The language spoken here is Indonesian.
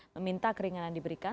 meminta keringatan diberikan